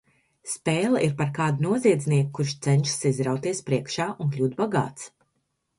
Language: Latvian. Spēle ir par kādu noziedznieku, kurš cenšas izrauties priekšā un kļūt bagāts.